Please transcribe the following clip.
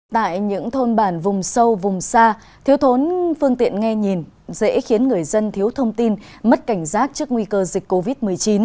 tại những thôn bản vùng sâu vùng xa thiếu thốn phương tiện nghe nhìn dễ khiến người dân thiếu thông tin mất cảnh giác trước nguy cơ dịch covid một mươi chín